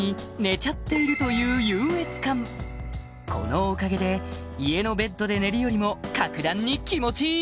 このおかげで家のベッドで寝るよりも格段に気持ちいい！